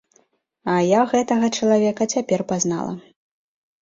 А я гэтага чалавека цяпер пазнала.